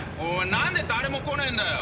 何で誰も来ねえんだよ？